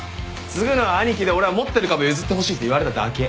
継ぐのは兄貴で俺は持ってる株譲ってほしいって言われただけ。